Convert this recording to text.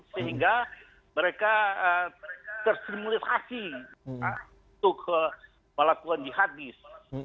sehingga mereka tersrimunisasi untuk melakukan jihadis